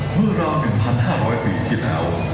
เมื่อราว๑๕๐๐ปีที่แล้ว